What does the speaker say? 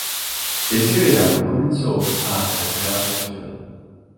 Ese verano comenzó a cercar la ciudad.